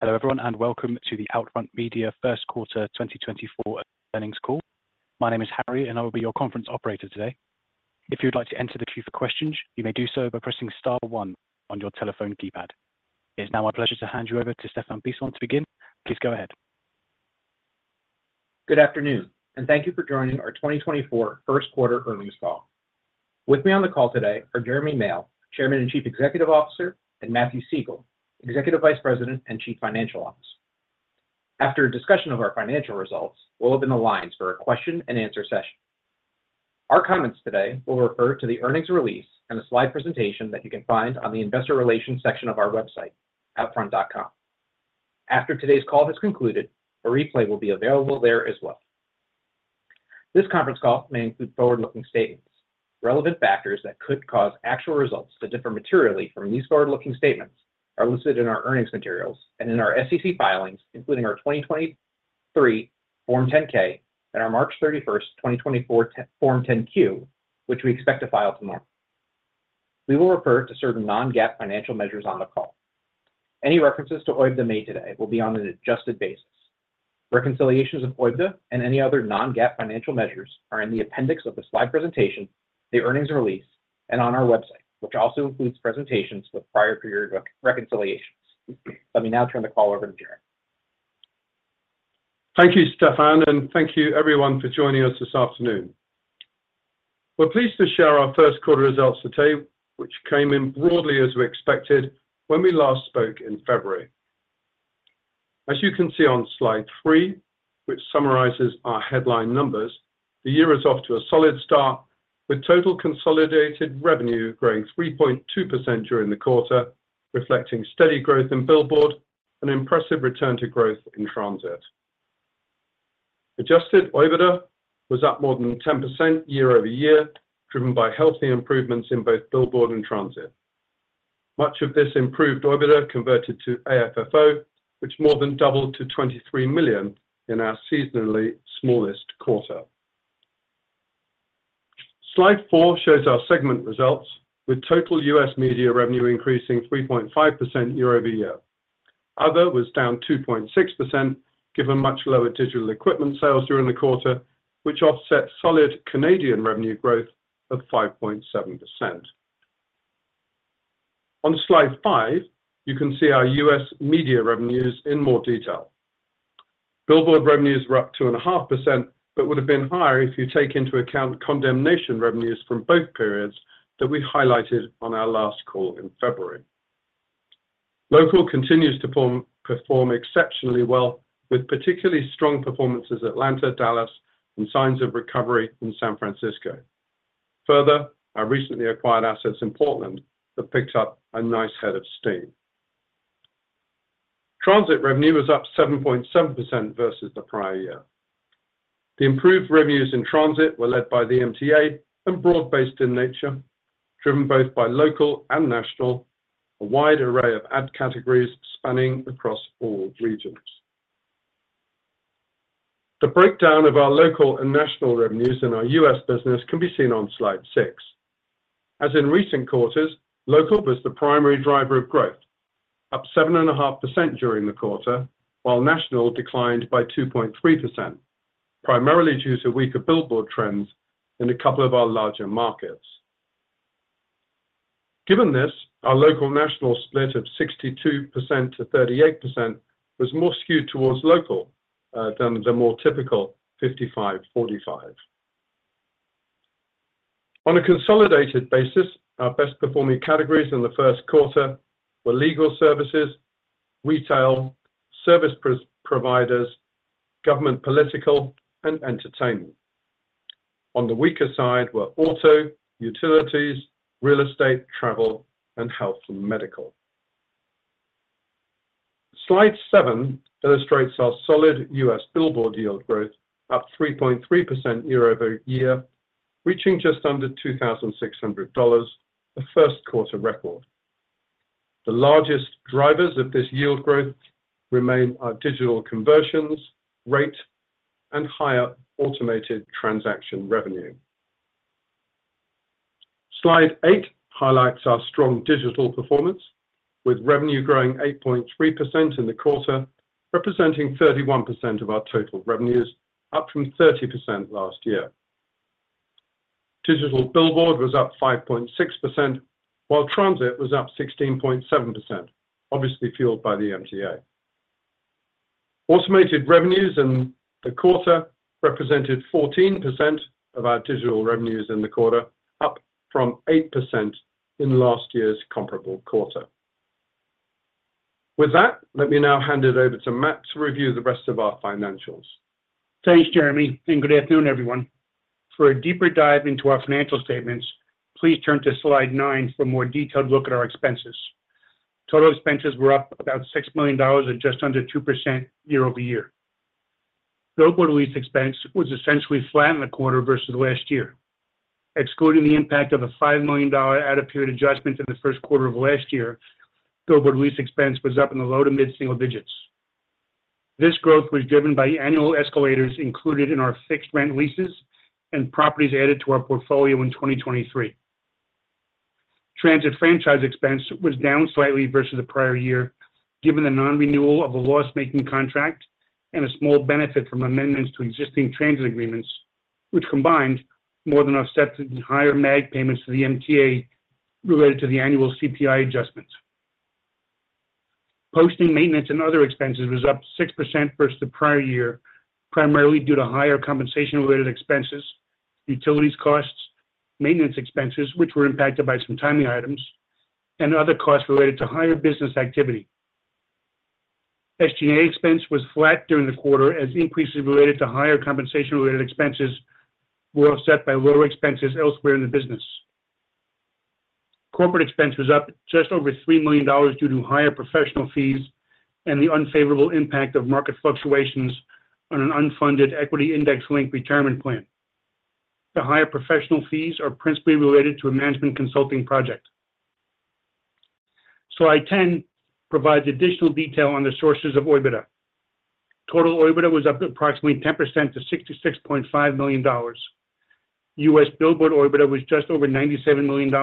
Hello everyone and welcome to the OUTFRONT Media First Quarter 2024 earnings call. My name is Harry and I will be your conference operator today. If you would like to enter the queue for questions, you may do so by pressing star one on your telephone keypad. It is now my pleasure to hand you over to Stephan Bisson to begin. Please go ahead. Good afternoon and thank you for joining our 2024 first quarter earnings call. With me on the call today are Jeremy Male, Chairman and Chief Executive Officer, and Matthew Siegel, Executive Vice President and Chief Financial Officer. After a discussion of our financial results, we'll open the lines for a question and answer session. Our comments today will refer to the earnings release and a slide presentation that you can find on the investor relations section of our website, outfront.com. After today's call has concluded, a replay will be available there as well. This conference call may include forward-looking statements. Relevant factors that could cause actual results to differ materially from these forward-looking statements are listed in our earnings materials and in our SEC filings, including our 2023 Form 10-K and our March 31, 2024, Form 10-Q, which we expect to file tomorrow. We will refer to certain non-GAAP financial measures on the call. Any references to OIBDA made today will be on an adjusted basis. Reconciliations of OIBDA and any other non-GAAP financial measures are in the appendix of the slide presentation, the earnings release, and on our website, which also includes presentations with prior period reconciliations. Let me now turn the call over to Jeremy. Thank you, Stephan, and thank you everyone for joining us this afternoon. We're pleased to share our first quarter results today, which came in broadly as we expected when we last spoke in February. As you can see on slide three, which summarizes our headline numbers, the year is off to a solid start with total consolidated revenue growing 3.2% during the quarter, reflecting steady growth in billboard and impressive return to growth in transit. Adjusted OIBDA was up more than 10% year-over-year, driven by healthy improvements in both billboard and transit. Much of this improved OIBDA converted to AFFO, which more than doubled to $23 million in our seasonally smallest quarter. Slide four shows our segment results, with total U.S. media revenue increasing 3.5% year-over-year. Other was down 2.6% given much lower digital equipment sales during the quarter, which offset solid Canadian revenue growth of 5.7%. On slide five, you can see our U.S. media revenues in more detail. Billboard revenues were up 2.5% but would have been higher if you take into account condemnation revenues from both periods that we highlighted on our last call in February. Local continues to perform exceptionally well, with particularly strong performances at Atlanta, Dallas, and signs of recovery in San Francisco. Further, our recently acquired assets in Portland have picked up a nice head of steam. Transit revenue was up 7.7% versus the prior year. The improved revenues in transit were led by the MTA and broad-based in nature, driven both by local and national, a wide array of ad categories spanning across all regions. The breakdown of our local and national revenues in our U.S. business can be seen on slide six. As in recent quarters, local was the primary driver of growth, up 7.5% during the quarter, while national declined by 2.3%, primarily due to weaker billboard trends in a couple of our larger markets. Given this, our local-national split of 62%-38% was more skewed towards local than the more typical 55/45. On a consolidated basis, our best-performing categories in the first quarter were legal services, retail, service providers, government political, and entertainment. On the weaker side were auto, utilities, real estate, travel, and health and medical. Slide seven illustrates our solid U.S. billboard yield growth, up 3.3% year-over-year, reaching just under $2,600, a first quarter record. The largest drivers of this yield growth remain our digital conversions, rate, and higher automated transaction revenue. Slide eight highlights our strong digital performance, with revenue growing 8.3% in the quarter, representing 31% of our total revenues, up from 30% last year. Digital billboard was up 5.6%, while transit was up 16.7%, obviously fueled by the MTA. Automated revenues in the quarter represented 14% of our digital revenues in the quarter, up from 8% in last year's comparable quarter. With that, let me now hand it over to Matt to review the rest of our financials. Thanks, Jeremy, and good afternoon, everyone. For a deeper dive into our financial statements, please turn to slide nine for a more detailed look at our expenses. Total expenses were up about $6 million and just under 2% year-over-year. Billboard lease expense was essentially flat in the quarter versus last year. Excluding the impact of a $5 million ad-up period adjustment in the first quarter of last year, billboard lease expense was up in the low to mid-single digits. This growth was driven by annual escalators included in our fixed rent leases and properties added to our portfolio in 2023. Transit franchise expense was down slightly versus the prior year given the non-renewal of a loss-making contract and a small benefit from amendments to existing transit agreements, which combined more than offset the higher MAG payments to the MTA related to the annual CPI adjustments. Posting maintenance and other expenses was up 6% versus the prior year, primarily due to higher compensation-related expenses, utilities costs, maintenance expenses, which were impacted by some timing items, and other costs related to higher business activity. SG&A expense was flat during the quarter as increases related to higher compensation-related expenses were offset by lower expenses elsewhere in the business. Corporate expense was up just over $3 million due to higher professional fees and the unfavorable impact of market fluctuations on an unfunded equity index-linked retirement plan. The higher professional fees are principally related to a management consulting project. Slide 10 provides additional detail on the sources of OIBDA. Total OIBDA was up approximately 10% to $66.5 million. U.S. billboard OIBDA was just over $97 million,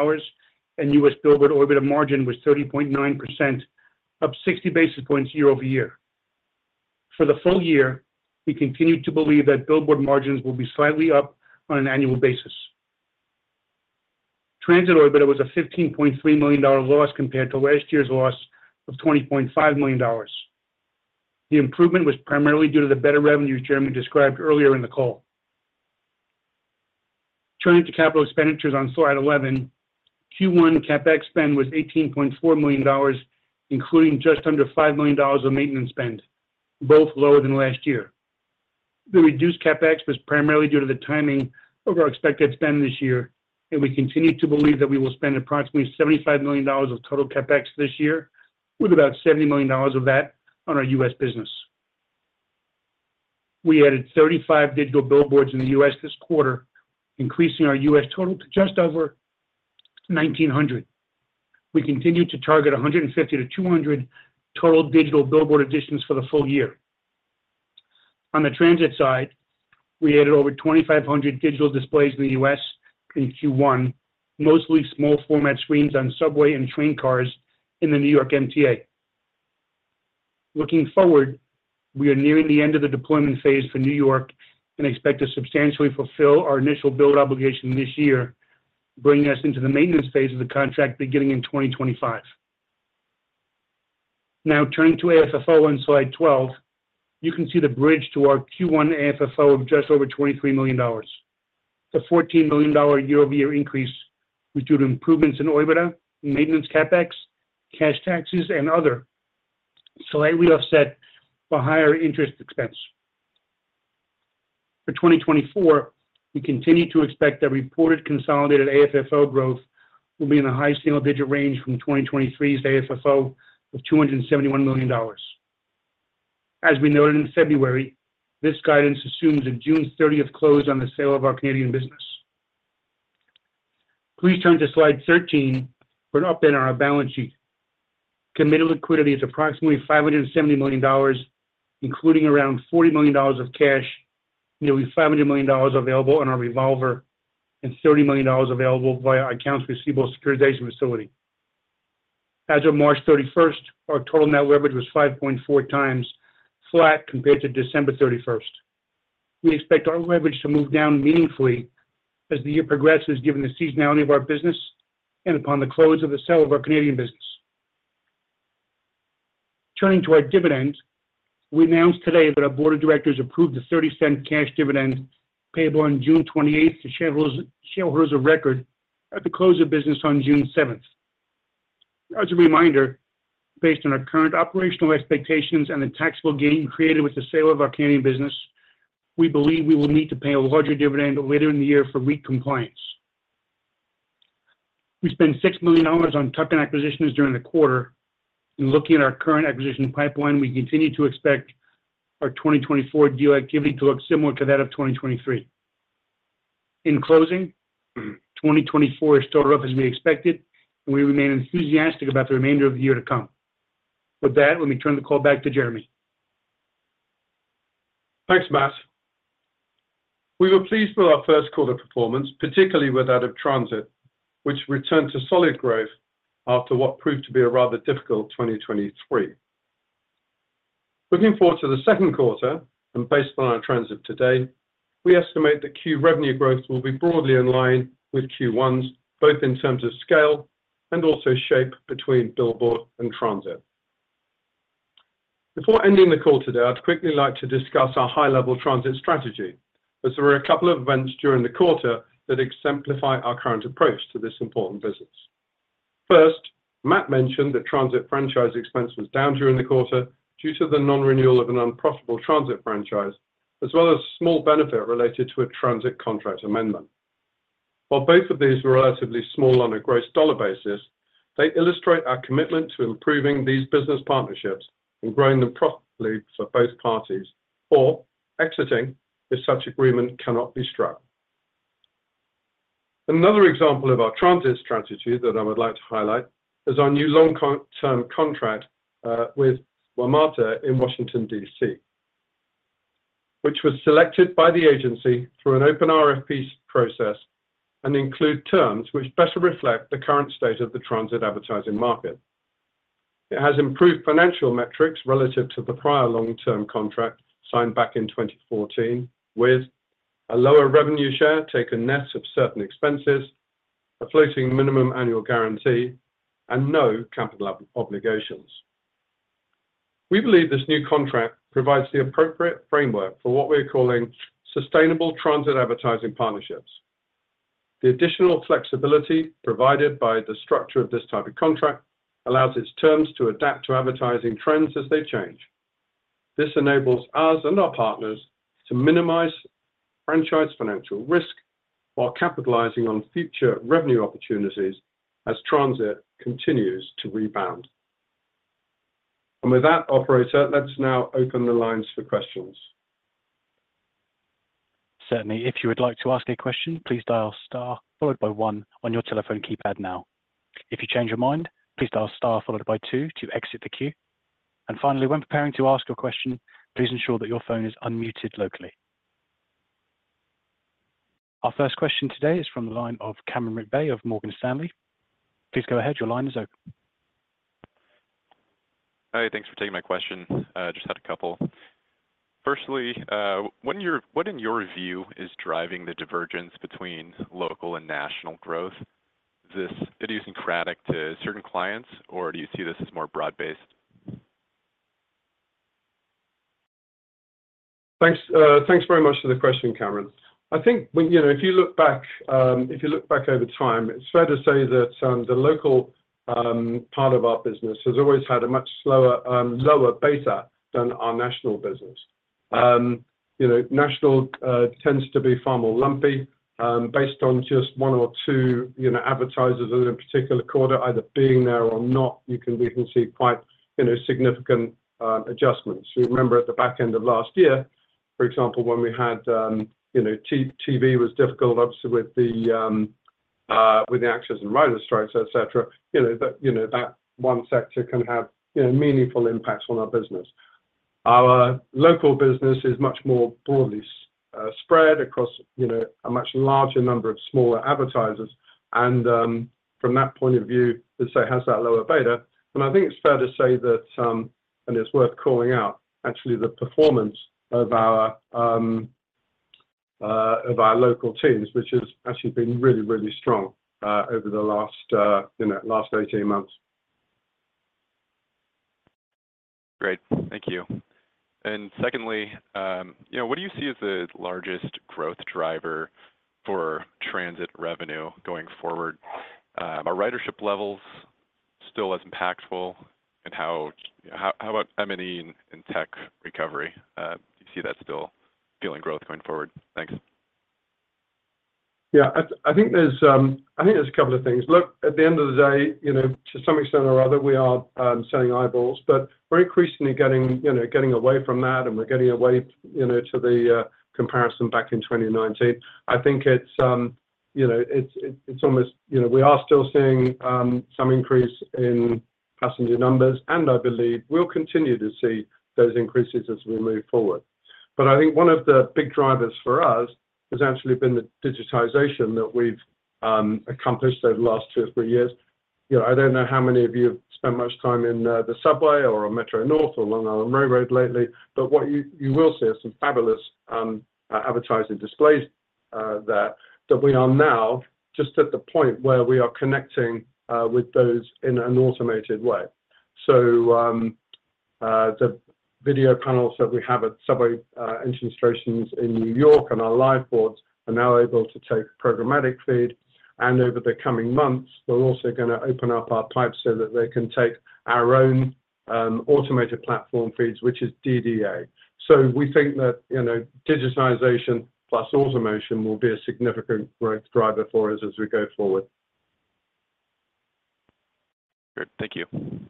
and U.S. billboard OIBDA margin was 30.9%, up 60 basis points year-over-year. For the full year, we continue to believe that billboard margins will be slightly up on an annual basis. Transit OIBDA was a $15.3 million loss compared to last year's loss of $20.5 million. The improvement was primarily due to the better revenues Jeremy described earlier in the call. Turning to capital expenditures on slide 11, Q1 CapEx spend was $18.4 million, including just under $5 million of maintenance spend, both lower than last year. The reduced CapEx was primarily due to the timing of our expected spend this year, and we continue to believe that we will spend approximately $75 million of total CapEx this year, with about $70 million of that on our U.S. business. We added 35 digital billboards in the U.S. this quarter, increasing our U.S. total to just over 1,900. We continue to target 150-200 total digital billboard additions for the full year. On the transit side, we added over 2,500 digital displays in the U.S. in Q1, mostly small format screens on subway and train cars in the New York MTA. Looking forward, we are nearing the end of the deployment phase for New York and expect to substantially fulfill our initial build obligation this year, bringing us into the maintenance phase of the contract beginning in 2025. Now, turning to AFFO on slide 12, you can see the bridge to our Q1 AFFO of just over $23 million. The $14 million year-over-year increase was due to improvements in OIBDA, maintenance CapEx, cash taxes, and other, slightly offset by higher interest expense. For 2024, we continue to expect that reported consolidated AFFO growth will be in the high single-digit range from 2023's AFFO of $271 million. As we noted in February, this guidance assumes a June 30th close on the sale of our Canadian business. Please turn to slide 13 for an update on our balance sheet. Committed liquidity is approximately $570 million, including around $40 million of cash, nearly $500 million available on our revolver, and $30 million available via accounts receivable securitization facility. As of March 31st, our total net leverage was 5.4x, flat compared to December 31st. We expect our leverage to move down meaningfully as the year progresses given the seasonality of our business and upon the close of the sale of our Canadian business. Turning to our dividend, we announced today that our board of directors approved a $0.30 cash dividend payable on June 28th to shareholders of record at the close of business on June 7th. As a reminder, based on our current operational expectations and the taxable gain created with the sale of our Canadian business, we believe we will need to pay a larger dividend later in the year for REIT compliance. We spent $6 million on tuck-in acquisitions during the quarter. In looking at our current acquisition pipeline, we continue to expect our 2024 deal activity to look similar to that of 2023. In closing, 2024 is starting off as we expected, and we remain enthusiastic about the remainder of the year to come. With that, let me turn the call back to Jeremy. Thanks, Matt. We were pleased with our first quarter performance, particularly with that of transit, which returned to solid growth after what proved to be a rather difficult 2023. Looking forward to the second quarter and based on our transit today, we estimate that Q revenue growth will be broadly in line with Q1's, both in terms of scale and also shape between billboard and transit. Before ending the call today, I'd quickly like to discuss our high-level transit strategy, as there were a couple of events during the quarter that exemplify our current approach to this important business. First, Matt mentioned that transit franchise expense was down during the quarter due to the non-renewal of an unprofitable transit franchise, as well as a small benefit related to a transit contract amendment. While both of these were relatively small on a gross dollar basis, they illustrate our commitment to improving these business partnerships and growing them profitably for both parties, or exiting if such agreement cannot be struck. Another example of our transit strategy that I would like to highlight is our new long-term contract with WMATA in Washington, D.C., which was selected by the agency through an open RFP process and includes terms which better reflect the current state of the transit advertising market. It has improved financial metrics relative to the prior long-term contract signed back in 2014, with a lower revenue share taken net of certain expenses, a floating minimum annual guarantee, and no capital obligations. We believe this new contract provides the appropriate framework for what we are calling sustainable transit advertising partnerships. The additional flexibility provided by the structure of this type of contract allows its terms to adapt to advertising trends as they change. This enables us and our partners to minimize franchise financial risk while capitalizing on future revenue opportunities as transit continues to rebound. And with that, operator, let's now open the lines for questions. Certainly. If you would like to ask a question, please dial star followed by one on your telephone keypad now. If you change your mind, please dial star followed by two to exit the queue. And finally, when preparing to ask your question, please ensure that your phone is unmuted locally. Our first question today is from the line of Cameron McVeigh of Morgan Stanley. Please go ahead. Your line is open. Hi. Thanks for taking my question. I just had a couple. Firstly, what in your view is driving the divergence between local and national growth? Is this idiosyncratic to certain clients, or do you see this as more broad-based? Thanks very much for the question, Cameron. I think if you look back if you look back over time, it's fair to say that the local part of our business has always had a much slower beta than our national business. National tends to be far more lumpy. Based on just one or two advertisers in a particular quarter, either being there or not, you can see quite significant adjustments. Remember, at the back end of last year, for example, when we had TV was difficult, obviously, with the actors and writers strikes, etc. That one sector can have meaningful impacts on our business. Our local business is much more broadly spread across a much larger number of smaller advertisers. And from that point of view, let's say, has that lower beta. I think it's fair to say that and it's worth calling out, actually, the performance of our local teams, which has actually been really, really strong over the last 18 months. Great. Thank you. And secondly, what do you see as the largest growth driver for transit revenue going forward? Are ridership levels still as impactful? And how about M&E and tech recovery? Do you see that still feeling growth going forward? Thanks. Yeah. I think there's a couple of things. Look, at the end of the day, to some extent or other, we are selling eyeballs. But we're increasingly getting away from that, and we're getting away to the comparison back in 2019. I think it's almost we are still seeing some increase in passenger numbers, and I believe we'll continue to see those increases as we move forward. But I think one of the big drivers for us has actually been the digitization that we've accomplished over the last 2 or 3 years. I don't know how many of you have spent much time in the subway or on Metro-North or Long Island Rail Road lately, but what you will see are some fabulous advertising displays that we are now just at the point where we are connecting with those in an automated way. So the video panels that we have at subway entrance stations in New York and our live boards are now able to take programmatic feed. And over the coming months, we're also going to open up our pipes so that they can take our own automated platform feeds, which is DDA. So we think that digitization plus automation will be a significant growth driver for us as we go forward. Great. Thank you.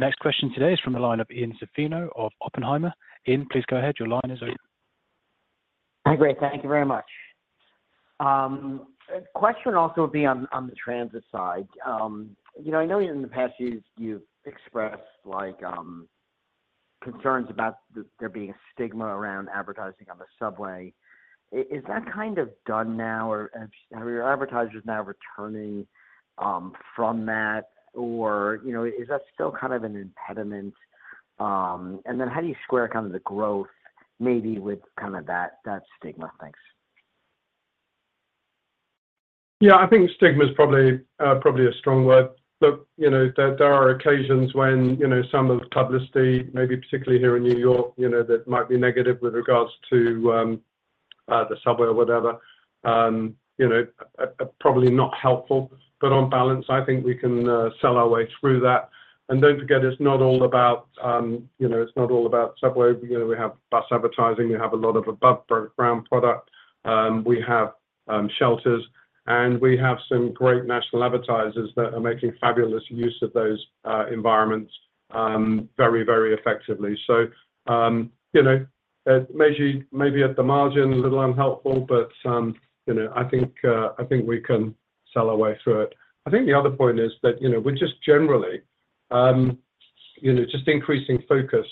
The next question today is from the line of Ian Zaffino of Oppenheimer. Ian, please go ahead. Your line is open. Hi, Grace. Thank you very much. Question also would be on the transit side. I know in the past years, you've expressed concerns about there being a stigma around advertising on the subway. Is that kind of done now? Are your advertisers now returning from that, or is that still kind of an impediment? And then how do you square kind of the growth maybe with kind of that stigma? Thanks. Yeah. I think stigma is probably a strong word. Look, there are occasions when some publicity, maybe particularly here in New York, that might be negative with regards to the subway or whatever, are probably not helpful. But on balance, I think we can sell our way through that. And don't forget, it's not all about subway. We have bus advertising. We have a lot of above-ground product. We have shelters. And we have some great national advertisers that are making fabulous use of those environments very, very effectively. So maybe at the margin, a little unhelpful, but I think we can sell our way through it. I think the other point is that we're just generally increasing focus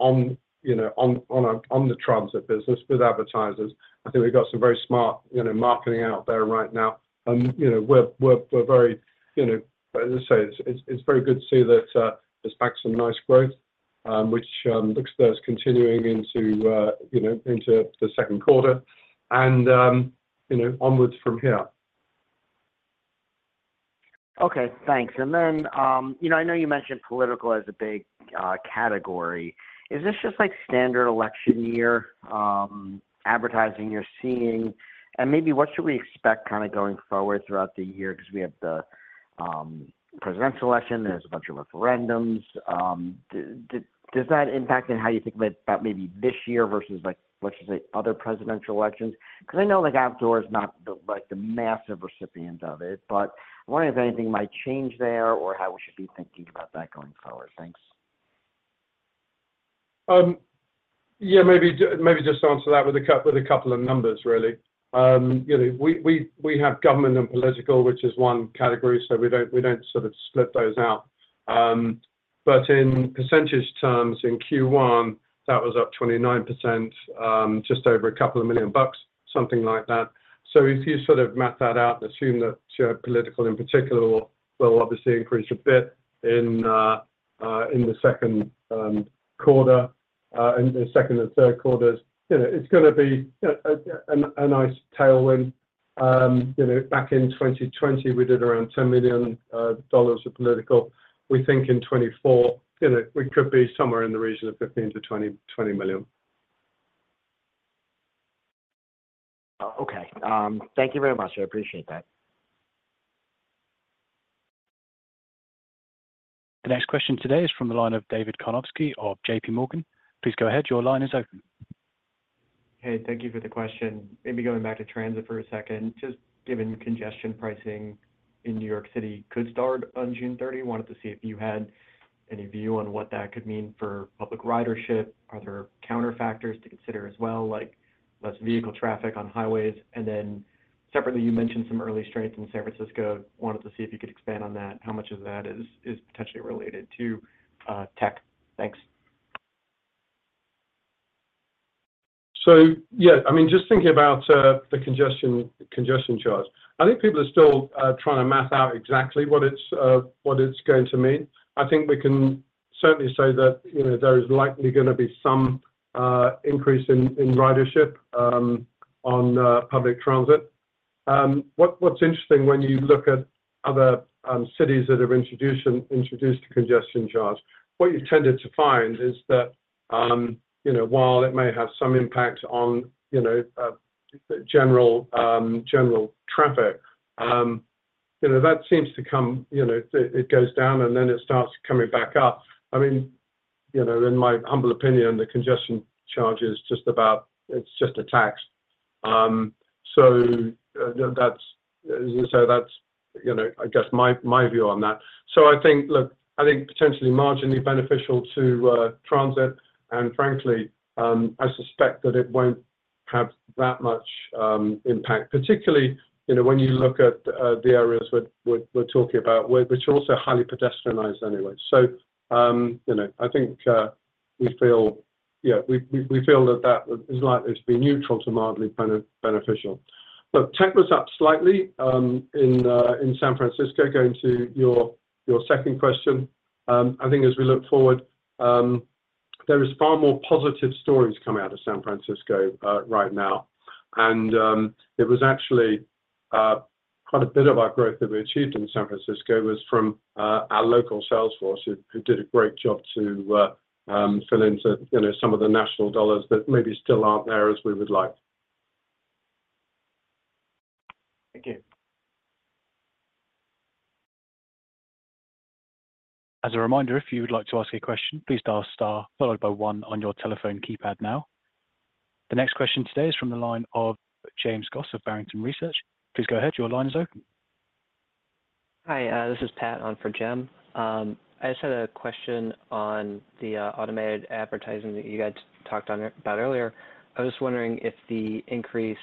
on the transit business with advertisers. I think we've got some very smart marketing out there right now. We're very, as I say, it's very good to see that there's back some nice growth, which looks that's continuing into the second quarter. Onward from here. Okay. Thanks. And then I know you mentioned political as a big category. Is this just standard election year advertising you're seeing? And maybe what should we expect kind of going forward throughout the year? Because we have the presidential election. There's a bunch of referendums. Does that impact on how you think about maybe this year versus, let's just say, other presidential elections? Because I know outdoor is not the massive recipient of it, but I'm wondering if anything might change there or how we should be thinking about that going forward. Thanks. Yeah. Maybe just answer that with a couple of numbers, really. We have government and political, which is one category, so we don't sort of split those out. But in percentage terms, in Q1, that was up 29%, just over $2 million, something like that. So if you sort of map that out and assume that political in particular will obviously increase a bit in the second quarter and the second and third quarters, it's going to be a nice tailwind. Back in 2020, we did around $10 million of political. We think in 2024, we could be somewhere in the region of $15-$20 million. Okay. Thank you very much. I appreciate that. The next question today is from the line of David Karnovsky of JPMorgan. Please go ahead. Your line is open. Hey. Thank you for the question. Maybe going back to transit for a second. Just given congestion pricing in New York City could start on June 30? Wanted to see if you had any view on what that could mean for public ridership? Are there counterfactors to consider as well, like less vehicle traffic on highways? And then separately, you mentioned some early strength in San Francisco. Wanted to see if you could expand on that? How much of that is potentially related to tech? Thanks. So yeah. I mean, just thinking about the congestion charge, I think people are still trying to map out exactly what it's going to mean. I think we can certainly say that there is likely going to be some increase in ridership on public transit. What's interesting, when you look at other cities that have introduced a congestion charge, what you've tended to find is that while it may have some impact on general traffic, that seems to come, it goes down, and then it starts coming back up. I mean, in my humble opinion, the congestion charge is just about. It's just a tax. So as I say, that's, I guess, my view on that. So I think, look, I think potentially marginally beneficial to transit. And frankly, I suspect that it won't have that much impact, particularly when you look at the areas we're talking about, which are also highly pedestrianized anyway. So I think we feel yeah. We feel that that is likely to be neutral to mildly beneficial. Look, tech was up slightly in San Francisco. Going to your second question, I think as we look forward, there are far more positive stories coming out of San Francisco right now. And it was actually quite a bit of our growth that we achieved in San Francisco was from our local sales force who did a great job to fill into some of the national dollars that maybe still aren't there as we would like. Thank you. As a reminder, if you would like to ask a question, please dial star followed by on your telephone keypad now. The next question today is from the line of James Goss of Barrington Research. Please go ahead. Your line is open. Hi. This is Pat on for James. I just had a question on the automated advertising that you guys talked about earlier. I was just wondering if the increase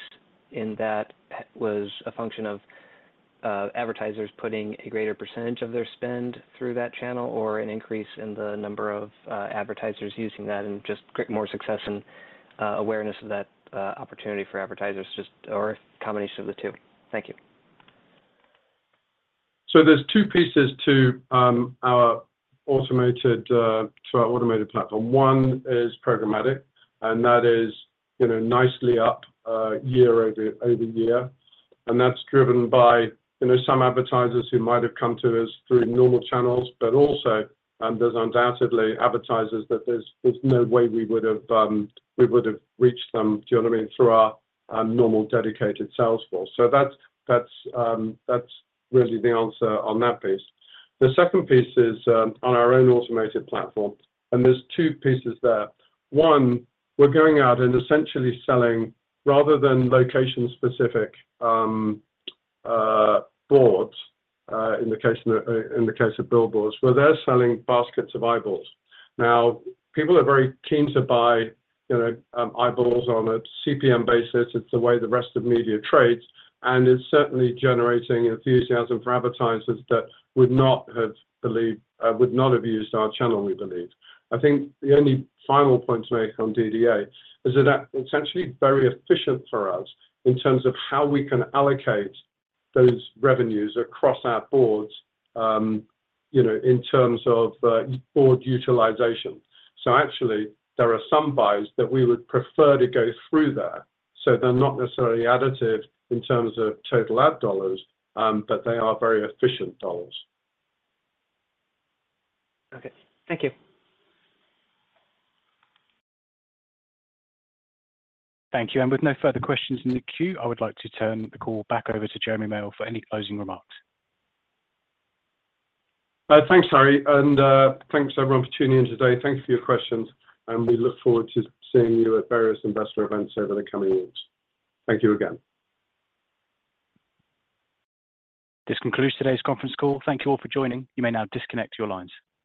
in that was a function of advertisers putting a greater percentage of their spend through that channel or an increase in the number of advertisers using that and just more success, and awareness of that opportunity for advertisers or a combination of the two? Thank you. So there's two pieces to our automated platform. One is programmatic, and that is nicely up year-over-year. That's driven by some advertisers who might have come to us through normal channels. But also, there's undoubtedly advertisers that there's no way we would have reached them, do you know what I mean, through our normal dedicated salesforce. So that's really the answer on that piece. The second piece is on our own automated platform. And there's two pieces there. One, we're going out and essentially selling rather than location-specific boards in the case of billboards, where they're selling baskets of eyeballs. Now, people are very keen to buy eyeballs on a CPM basis. It's the way the rest of media trades. And it's certainly generating enthusiasm for advertisers that would not have believed would not have used our channel, we believe. I think the only final point to make on DDA is that that's actually very efficient for us in terms of how we can allocate those revenues across our boards in terms of board utilization. So actually, there are some buys that we would prefer to go through there. So they're not necessarily additive in terms of total ad dollars, but they are very efficient dollars. Okay. Thank you. Thank you. With no further questions in the queue, I would like to turn the call back over to Jeremy Male for any closing remarks. Thanks, Harry. Thanks, everyone, for tuning in today. Thanks for your questions. We look forward to seeing you at various investor events over the coming weeks. Thank you again. This concludes today's conference call. Thank you all for joining. You may now disconnect your lines.